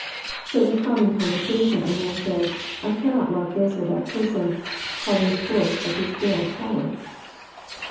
So in common conversation a man says, *'I cannot love this or that person, calling the force of his will power."